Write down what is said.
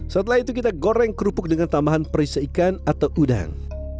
setelah itu kita goreng kerupuk dengan tambahan perise ikan atau udang